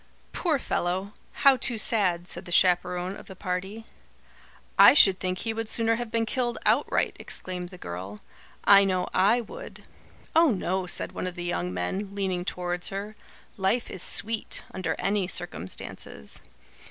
"Poor fellow! How too sad!" said the chaperon of the party. "I should think he would sooner have been killed outright!" exclaimed the girl. "I know I would." "Oh, no," said one of the young men, leaning towards her. "Life is sweet, under any circumstances."